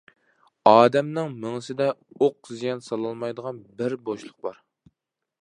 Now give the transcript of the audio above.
ئادەمنىڭ مېڭىسىدە ئوق زىيان سالالمايدىغان بىر بوشلۇق بار.